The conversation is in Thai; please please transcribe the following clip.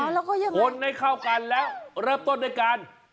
แล้วก็ยังไงคนให้เข้ากันแล้วเริ่มต้นด้วยการ